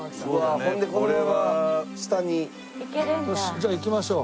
じゃあ行きましょう。